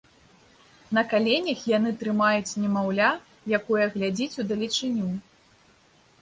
На каленях яны трымаюць немаўля, якое глядзіць удалечыню.